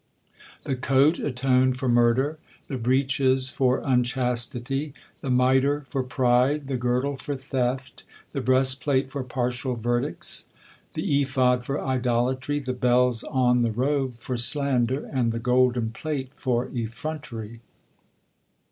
The coat atoned for murder, the breeches for unchastity, the mitre for pride, the girdle for theft, the breastplate for partial verdicts, the ephod for idolatry, the bells on the robe for slander, and the golden plate for effrontery.